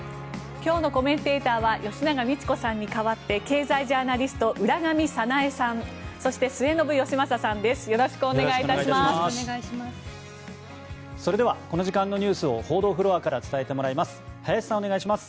今日のコメンテーターは吉永みち子さんに代わって経済ジャーナリスト浦上早苗さんそして、末延吉正さんです。